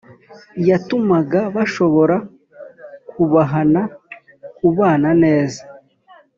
yatumaga bashobora kubahana, kubana neza